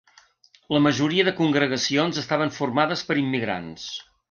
La majoria de congregacions estaven formades per immigrants.